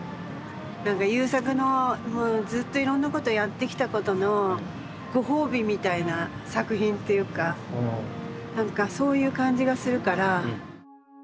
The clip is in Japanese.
何か優作のずっといろんなことやってきたことのご褒美みたいな作品っていうか何かそういう感じがするから。